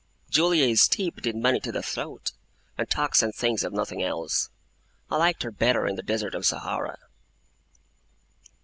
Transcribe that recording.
Julia is steeped in money to the throat, and talks and thinks of nothing else. I liked her better in the Desert of Sahara.